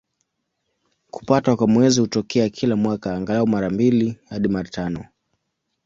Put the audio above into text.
Kupatwa kwa Mwezi hutokea kila mwaka, angalau mara mbili hadi mara tano.